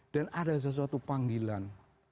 dan ada sesuatu panggilan